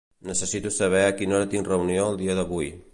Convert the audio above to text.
Necessito saber a quina hora tinc reunió el dia d'avui.